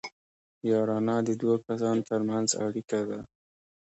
یارانه د دوو کسانو ترمنځ اړیکه ده